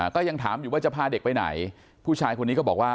ก็ยังถามอยู่ว่าจะพาเด็กไปไหนผู้ชายคนนี้ก็บอกว่า